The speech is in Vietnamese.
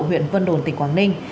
huyện vân đồn tỉnh quảng ninh